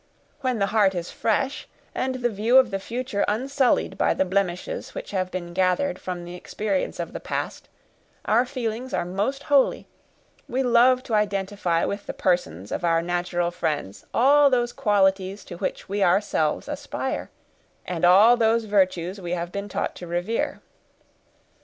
When the heart is fresh, and the view of the future unsullied by the blemishes which have been gathered from the experience of the past, our feelings are most holy: we love to identify with the persons of our natural friends all those qualities to which we ourselves aspire, and all those virtues we have been taught to revere.